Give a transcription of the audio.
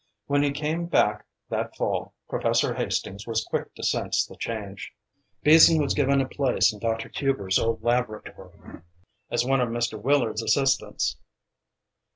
When he came back that fall, Professor Hastings was quick to sense the change. Beason was given a place in Dr. Hubers' old laboratory, as one of Mr. Willard's assistants.